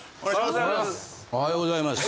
おはようございます！